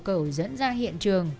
cầu dẫn ra hiện trường